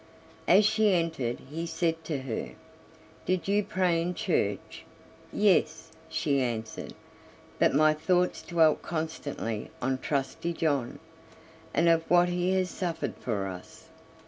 As she entered he said to her: "Did you pray in church?" "Yes," she answered, "but my thoughts dwelt constantly on Trusty John, and of what he has suffered for us."